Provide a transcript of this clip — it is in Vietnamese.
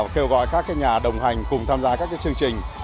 kêu gọi các cái nhà đồng hành cùng tham gia các cái chương trình